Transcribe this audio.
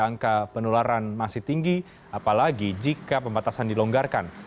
angka penularan masih tinggi apalagi jika pembatasan dilonggarkan